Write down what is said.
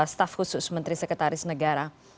staf khusus menteri sekretaris negara